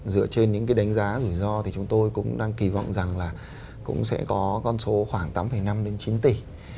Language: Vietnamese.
dựa trên những cái đánh giá rủi ro thì chúng tôi cũng đang kỳ vọng rằng là cũng sẽ có con số khoảng tám năm đến chín tỷ